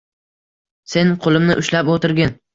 Sen qo‘limni ushlab o‘tirgin